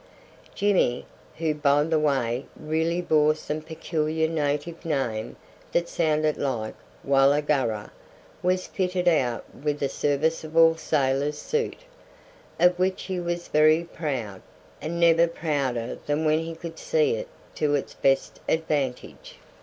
Jimmy who by the way really bore some peculiar native name that sounded like Wulla Gurra was fitted out with a serviceable sailor's suit, of which he was very proud, and never prouder than when he could see it to its best advantage.